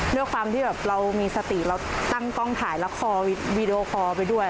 ด้วยความที่แบบเรามีสติเราตั้งกล้องถ่ายละครวีดีโอคอร์ไปด้วย